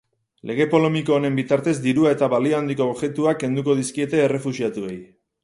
Lege polemiko honen bitartez, dirua eta balio handiko objektuak kenduko dizkiete errefuxiatuei.